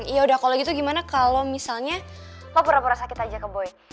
yaudah kalo gitu gimana kalo misalnya lo pura pura sakit aja kek boy